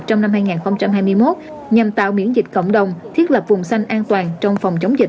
trong năm hai nghìn hai mươi một nhằm tạo miễn dịch cộng đồng thiết lập vùng xanh an toàn trong phòng chống dịch